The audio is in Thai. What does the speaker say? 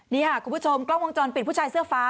นี่ค่ะคุณผู้ชมกล้องวงจรปิดผู้ชายเสื้อฟ้า